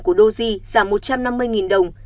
của doji giảm một trăm năm mươi đồng